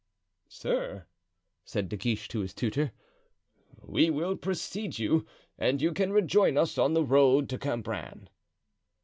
"Sir," said De Guiche to his tutor, "we will precede you, and you can rejoin us on the road to Cambrin."